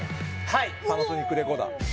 はいパナソニックレコーダー